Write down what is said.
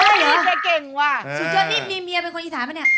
สุจรณ์มีมี่มียเป็นคนอีทานมั้ย